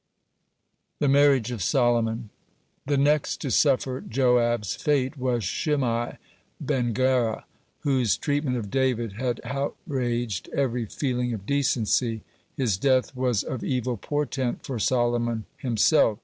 (10) THE MARRIAGE OF SOLOMON The next to suffer Joab's fate was Shimei ben Gera, whose treatment of David had outraged every feeling of decency. His death was of evil portent for Solomon himself.